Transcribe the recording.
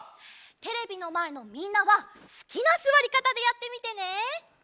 テレビのまえのみんながすきなすわりかたでやってみてね！